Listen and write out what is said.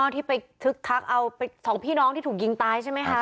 ที่ไปคึกคักเอาสองพี่น้องที่ถูกยิงตายใช่ไหมคะ